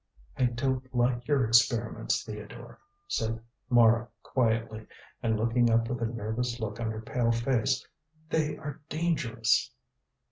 "I don't like your experiments, Theodore," said Mara quietly, and looking up with a nervous look on her pale face, "they are dangerous."